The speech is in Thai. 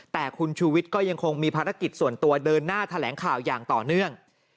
แต่คุณชูวิทย์ก็ยังคงมีภารกิจส่วนตัวเดินหน้าแถลงข่าวอย่างต่อเนื่อง